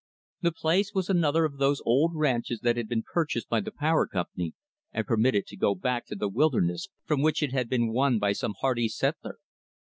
The place was another of those old ranches that had been purchased by the Power Company and permitted to go back to the wilderness from which it had been won by some hardy settler.